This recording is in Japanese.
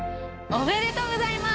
おめでとうございます！